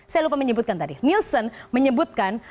saya lupa menyebutkan tadi nielsen menyebutkan